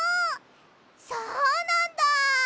そうなんだ！